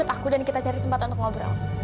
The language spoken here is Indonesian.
ikutin aku dan kita cari tempat untuk ngobrol